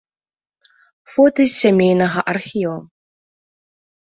Фота з сямейнага архіву.